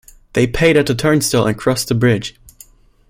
They paid at the turnstile and crossed the bridge.